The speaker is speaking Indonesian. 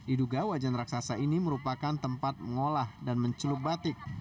diduga wajan raksasa ini merupakan tempat mengolah dan mencelup batik